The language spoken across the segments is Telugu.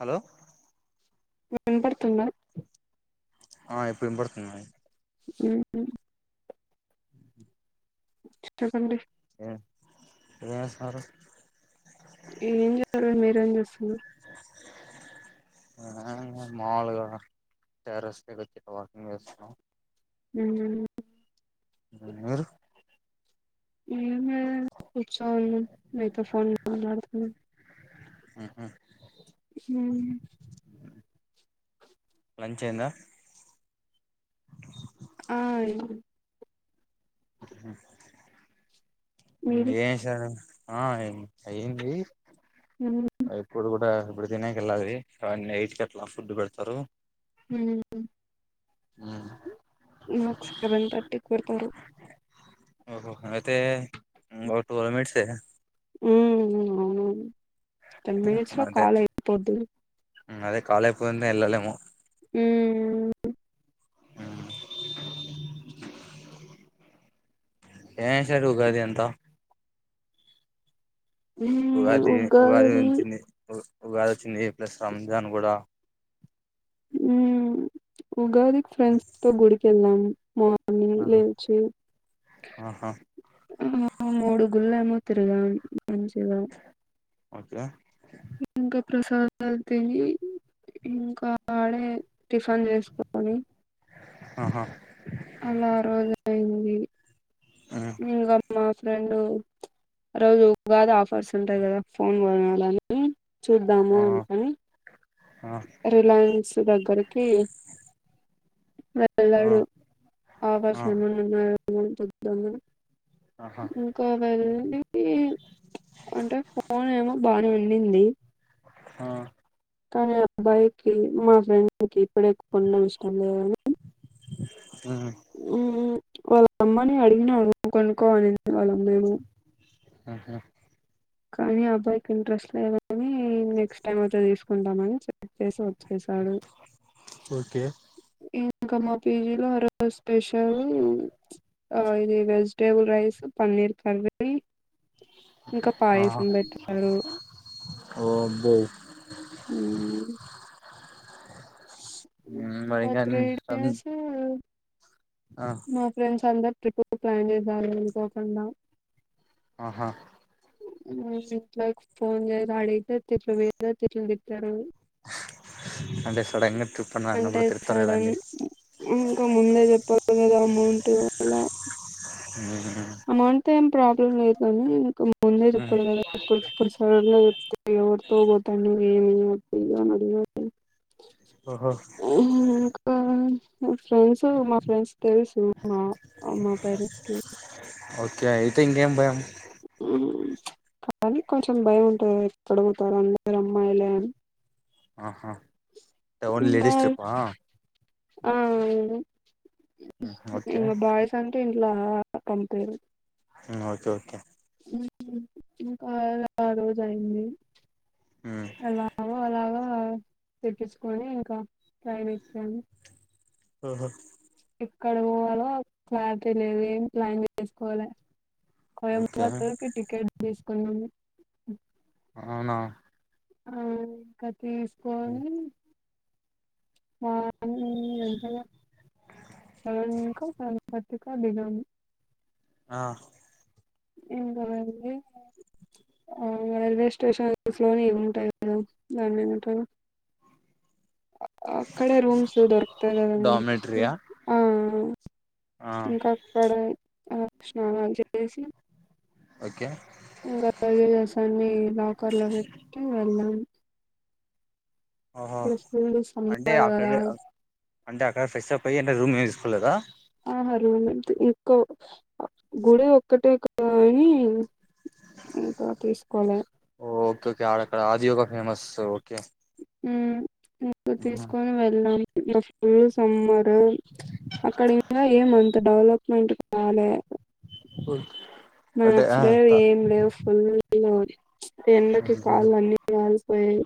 హలో వినబడుతుందా ఆ ఇప్పుడు వినపడుతుంది ఉహామ్ బ్లాంక్ చెప్పండి ఏంచేస్తున్నారు ఎం చేస్తున్నవ్ ఆ మాములుగా టరస్ పైకి వచ్చి వాకింగ్ చేస్తున్న ఊహ్మ్మ్ మీరు ఏంలేదు కూర్చొని మీతో ఫోన్ మాట్లాడుతున్న ఉహు హ్మ్మ్ లంచ్ అయిందా ఆ అయ్యింది ఉమ్ ఏం మీది చేసారు ఆ ఏ అయింది ఉమ్ ఇప్పుడు కుడ ఇప్పుడు తినేకెళ్లాలి అవన్నీ ఎయిట్ కట్లా ఫుడ్ పెడతారు ఉమ్ మాకు సెవెన్ థర్టీ కి పెడతారు ఓహో అయితే ఇంగో ట్వల్వ్ మినిట్స్ఏ ఉమ్ అవునువును టెన్ మినిట్స్ లో అదే కాల్ అయిపోద్ది అదే కాల్ అయిపోందే ఎల్లలేము ఉమ్ ఏం చేరు ఉగాది అంత ఉగాది ఉగాది ఉంచింది ఉగాది వచ్చింది ప్లస్ రంజాన్ కూడా ఉమ్ ఉగాదికి ఫ్రెండ్స్ తో గుడికెళ్ళాం అ ఆహా లేచి ఆహా ఆ మూడు గుళ్లు ఏమో తిరిగాం మంచిగా ఓకే ఇంకా ప్రసాదాలు తిని ఇంకా ఆడే టిఫన్ చేసుకొని ఆహా అలా రోజయింది ఆ నింగా ఆమె ఫ్రెండు రోజు ఉగాది ఆఫర్స్ ఉంటాయి కదా ఫోన్కొనా లని చూద్దాము ఆ అందుకని ఆ రిలయన్స్ త దెగ్గరికి వెళ్ళాడు ఆ ఆఫర్స్ ఏమైన్నా ఉన్నాయో ఎమో చుద్దామని ఆహా ఇంకా వెళ్ళనికి అంటే ఫోన్ ఏమో బానే ఉండింది హ కానీ అబ్బాయికిి మా ఫ్రెండ్ కి ఇప్పుడె కొండం ఇష్టం లేదని మా మ్మ్. వాళ్ళ అమ్మని అడిగినాడు కనుక్కోమనింది వాళ్ళమ్మని ఆహా కానీ అబ్బాయికి ఇంట్రెస్ట్ లేదనీ నెక్స్ట్ టైమ్ గిట్ల తీసుకుంటామని చె ప్పేసి వచ్చేసాడు ఓకే ఇంక మా పిజీలో ఒ రోజు స్పెషల్ ఇది వెజిటేబుల్ రైస్ పన్నీర్ కర్రీ ఇంక పాయసం పెట్టారు ఒ అబ్బో ఉమ్ మరి ఇంకా కానీ త్రీ డేసే ఉన్ ఆ మా ఫ్రెండ్స్ అందరు ట్రిప్పు ప్లాన్ చేశారు అనుకోకుండా ఆహా ఇట్లా ఫోన్ చేయరా ఆడిగితే తిట్లు మిద తిట్లు తిట్టినారు అంటే సడెన్గా అంటే సడన్ ఇన్ ఇంకా ముందే చెప్పాల్ కదా అమౌంట్ అలా హుమ్హు అమౌంట్ ఏం ప్రాబ్లం లేదు గనీ ఇంక ముందే మ్మ్ చెప్పాలి గదా ఇప్పుడు కిప్పుడు సడన్ గా చెప్తే ఎవరితో పోతాం ఏమి ఇంద్ర నడిగా ఓహో హుమ్ ఇంకా మ ఫ్రెండ్స్ మా ఫ్రెండ్స్ తెలుసు మ మా పేరెంట్స్ కి ఓకే అయితే ఇంకేం భయం కానీ కొంచెం భయం ఉంటది ఎక్కడకుపోతారొ అందరు అమ్మాయిలే అని ఆహా ఒన్లీ ఇంకా లేడీస్ ట్రిప్ ఆ ఆ అవునండీ ఉమ్ ఓకే ఇంగ బయ్స్ అంటే ఇం లా అతన్ పేరు మ్ ఓకే ఓకే ఇంకా ఆ రోజు అయింది మ్మ్ అలావా అలాగా తెప్పంచుకొని ఇంకా ట్రైన్యేక్కను ఓహో ఎక్కడి పోవాలో క్లారిటీ లేదు ఏం ప్లాన్ చేసుకోలే ఓకే కోయంబత్తూర్ కి టికెట్ తీసుకున్నము అవునా ఆ ఇంక తీసుకొని ఆ నీ ఎంతలా సెవన్కొ సెవెన్ థర్తి కొ దిగాము ఆ [unintelligible] ఆ రైల్వే స్టేషన్స్ లోనే [unintelligible] దాన్నెమంటరొ ఆక్కడే రూమ్స్లో దొరకుతాయ్ కదండీ డామినేటరీయా ఆహ్ ఆ ఇంకా అక్కడే అహ్ స్నానాలు చేసి ఓకే ఇంకా లగ్గజ్స్ అన్ని లాకర్ లో పెట్టి వెళ్దాం ఆహ ఫుల్ అంటే సమ్మర్ కదా ఆఫ్టర్డే అంటే అక్కడ ఫ్రెష్ అప్ అయ్యి అంటే రూమ్ ఏం తీసుకోలేదా ఆహా రూమ్ ఇంతే ఇక్క గుడె ఒక్కటే కదు గని ఓ ఓకే ఓకే అక్కడ ఆజీవ ఫేమస్ ఓకే ఉమ్ ఇంకా తీసుకొని వెళ్ళాలి మా ఫుల్ సమ్మర్ రూమ్ అక్కడ ఇంకా ఏమంత డెవలప్మెంట్ కాలే ఓ మార్చలేవ్ ఏం లేవు [unintelligible] ఎండకి కాళ్ళు అన్ని కాలిపోయాయి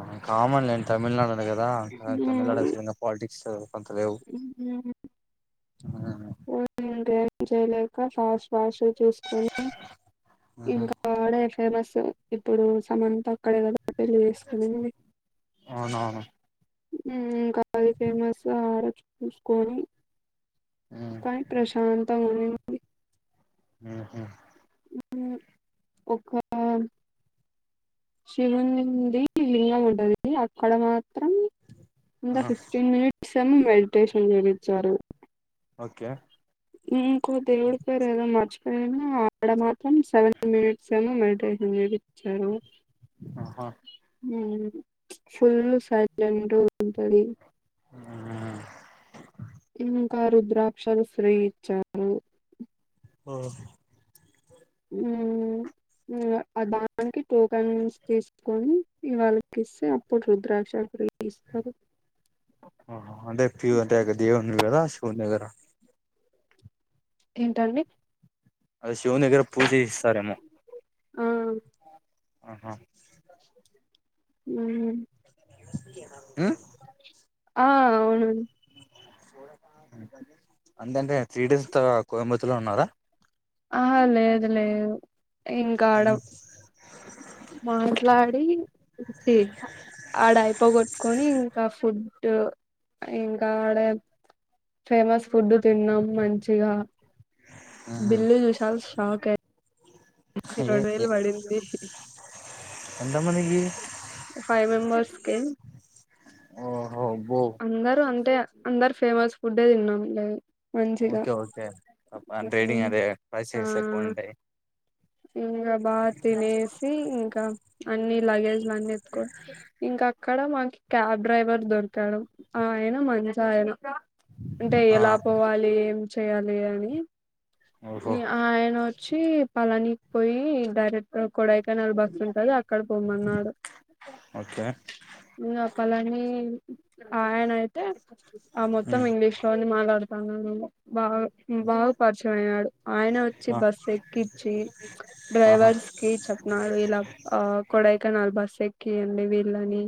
ఉమ్ కామన్ లెన్ తమిళనాడు అన్నాడు కదా కని తమిళనాడు అసలు ఇంగ పాలిటిక్స్ అంతలేవు ఉమ్ ఎం చేయలేక ఫాస్ట్ ఫాస్ట్ గా చేసుకొని ఆహా ఇంకా అడే ఫేమస్ ఇప్పుడు సమంత అక్కడే కదా పెళ్లి చేసుకునింది అవునవును ఉమ్ ఇంకా అది ఫేమస్ ఆరుచు చూసుకొని కానీ ప్రశాంతంగా ఉండింది ఉహు ఒక్కా శివునింది లింగం ఉంటది అక్కడ మా మాత్రం ఇంకా ఆ ఫిఫ్టీన్ మినిట్స్ ఏమో మెడిటేషన్ చేయినిచ్చారు ఓకే ఇంకో దేవుడు పేరు ఏదో మార్చు నేను ఆడ మాత్రం సెవెన్ మినిట్స్ ఏమో మెడిటేషన్ చేపిచ్చారు ఆహా ఉమ్ ఫుల్ సైలెంట్ ఉంటది ఆ ఇంకా రుద్రాక్షలు ఫ్రీ గా ఇచ్చారు ఓహో ఉమ్ ఇంగ దానికి టోకెన్స్ తీసుకొని వాళ్ళకి ఇస్తే అప్పుడు రుద్రాక్ష ఫ్రీ ఇస్తారు ఆహ అంటే ప్యూ అంటే దేవున్ కదా శివుని దగర ఏంటండి అది శివుని దగ్గర పూజ చేఇస్తారుమో ఆ ఆహా ఉమ్ ఉమ్ ఆ అవును అందంగా త్రీ డేస్సుత కోయంబత్తులో ఉన్నారా ఆహ లేదు లేదు ఇంకా ఆడం మాట్లాడి వచ్చేఇంచ్చ ఆడ అయిపోగొట్టుకొని ఇంకా ఫు డ్ ఇంకా ఆడ ఫేమస్ ఫుడ్ తిన్నాం మంచిగా బిల్లు చూశాల్ షాక్ అయి రొండో వేలు పడింది ఎంతా మందికి ఒకే ఓ అందరు అంటే అందరు ఫేమస్ ఫుడే తిన్నాం లే మంచిగా ఓకే ఓకే అ ట్రేడింగ్ హ్మ్. అదే ఆ ప్రిసెస్ ఎక్కువ ఉంటాయి ఇంకా బా తినేసి ఇంకా అన్ని లగేజ్లు అన్ని ఎత్తుక ఇంకా అక్కడ కడ మాకి క్యాబ్ డ్రైవర్ దొర్కాడు ఆ ఆయ్న మంచైయ్న అంటే ఆ ఎలా పోవాలి ఏం చేయాలి అని ఓహో మీ ఆయన వచ్చి పొలానీక్ పోయి డైరెక్ట్ గ కోడాయ్ కెనాల్ బస్సుటంది అక్కడ పోమ్మన్నాడు ఓకే ఎ అ పలాన్ని ఆయనైతే ఆ మొత్తం ఉమ్ ఇంగ్లీష్ లోని మాట్లాడ్ [unintelligible] బాగా బాగా పర్చమయ్యాడు ఆయన వచ్చి ఆ బస్సేక్కించి ఆహా డ్రైవర్స్ కి చెప్ నడ్ ఇలా ఆ కోడై కెనాల్ బస్సెకియండి వీళ్ళని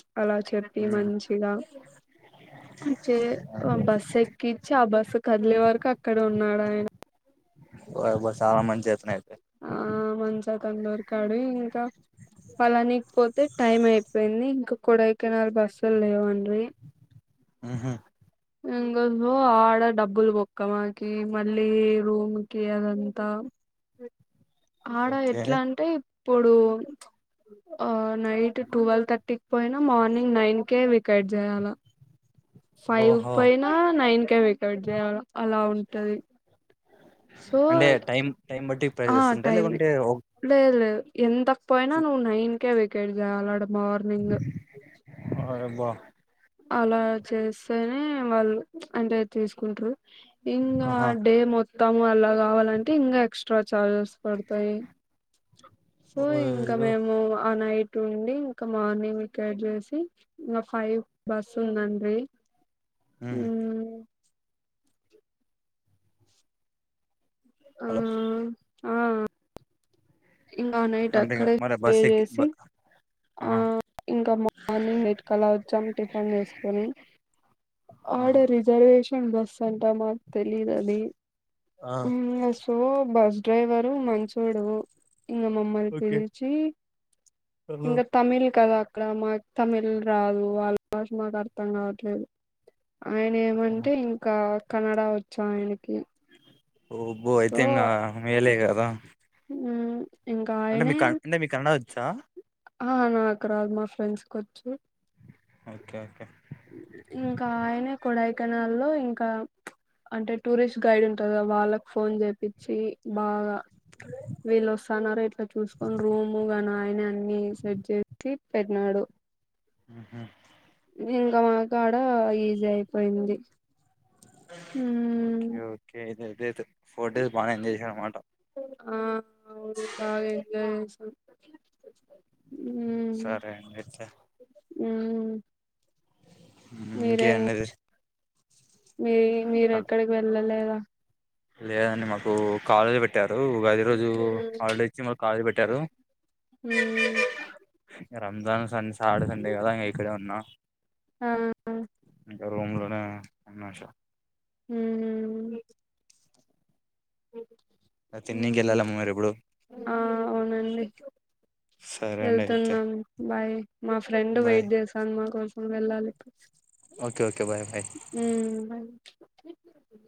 చ్ అలా చెప్పి ఉమ్ మంచిగా ఉంచే అ ఓకే బస్సేక్కించి ఆ బస్సు కద్లే వరకు అక్కడే ఉన్నాడయన ఓ యబ్బా చాలా మంచి అతను అయితే తందూరి కాడి ఇంకా పోలానీక్ పోతే టైం ఐపోయింది ఇంకా కొడాయ్ కెనాల్ బస్సులేవండ్రీ ఉహు ఇందులో ఆడ డబ్బుల్ బొక్క మాకి మళ్ళీ రూమ్ కి అదంతా ఆడ ఓకే ఎట్లా అంటే ఇప్పుడు ఆ నైట్ టూవెల్ థర్టీక్ పోయినా మార్నింగ్ నైన్ కేే వికైట్ జేయాల ఫైవ్క్ ఓహో పొయ్న నైన్ కే వేకెట్ జెయాల అలా ఉంటది సో అంటే టైం టైం బట్టి ప్రైసస్ ఉంటయ లేకుంటే ఒక్ ఎలెద్ ఎంతక్ పోయినా నువ్ నైన్కే వేకెట్ జెయలడ అరే బాబ్ అలా చేస్తేనే వాళ్ళు అంటే తీస్కుంట్రు ఇంగ ఆహా డే మొత్ తము అలా కావాలంటే ఇంకా ఎక్సట్రా చార్జెస్ పడ్తాయి సో ఇంకా ఓయ్యో మేము ఆ నైట్ ట్ండి ఇంకా మార్నింగ్ వేకెట్ చేసి ఇంగ ఫైవ్ బస్సుందండి ఉమ్ ఆ హలో ఆ ఇంగ అనైట్ అంటే ఇగ అక్కడే మరి స్టే బస్ ఎక్కి చేసి బ ఆ ఇంకా మార్నింగ్ యైట్కలా వచ్చాం టిఫిన్ జేస్కొని ఆడ ఆహా రిజర్వేషన్ కెం బస్సంట మాక్ తెలీదది ఆ ఉమ్ సో బస్ డ్రైవరు మంచోడు ఇంగ మమ్మల్ ఓకే పిల్చీ ఓహో ఇంగ తమిళ్ కదా అక్కడ మాక్ తమిళ్ రాదు వాళ్ళ్ భాష మాకర్థం కాట్లేదు ఆయనెమంటే ఇంకా కనడా వచ్చయనకి ఒబ్బొ ఐతే ఇంగా మేలేగదా ఉమ్ అంటే మీ కన్ అంటే మీక్ కన్నడ వచ్చా ఆ నాక్ రాదు మా ఫ్రెండ్స్ కోచ్చు ఓకే ఓకే ఇంకైనే కొడయ్ కెనాల్లో ఇంకా అంటే టూరిస్ట్ గైడ్ ఉంటర్ గ వాళ్ళక్ ఫోన్ జేప్పిచ్చి బాగా వీళ్ళ్ వస్తన్నారు ఇట్లా చూస్కొండ్ రూము గన్ ఆ ఆయ్నే అన్ని సేట్ జేసి పెట్నాడు ఉహు ఇంకా మాకాడ ఈజీ ఐపోయింది హ్మ్మ్ ఐతే ఫోర్ డేస్ బానే ఎంజాయ్ చేశారన్మాట ఆ అవును బాగ ఎంజాయ్ జేసినం సరేండి అయితే మ్మ్ మీరేం ఇంకేండి చు మీ మీరెక్కడికి వెళ్ళలేదా లేదండి మాకు కాలేజీ వెట్టారు ఉగాది రోజు హాలిడే ఇచ్చి మాకు కాలేజ్ పెట్ ట్టరు హుమ్మ్ రంజాన్ సన్ సాడ్ సండే గదా ఇంగా ఇక్కడే ఉన్నా ఆ ఇంకా రూమ్ లోనే ఉన్నష హుమ్మ్ తిన్నికి హుమ్ వెళ్ళాలమ్మ మరి ఇప్పుడు ఆ అవునండి సరే అండి అయితే వెళ్తున్నాను బాయ్ మా ఫ్రెండ్ బాయ్ వెయిట్ జేసాను మా కోసం వెళ్ళాలి ఇప్పుడు. ఒకే ఒకే బాయ్ బాయ్ ఉమ్ బాయ్